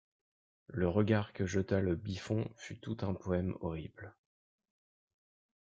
Le regard que jeta le Biffon fut tout un poème horrible.